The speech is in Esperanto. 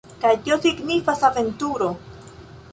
Kaj tio signifas aventuro!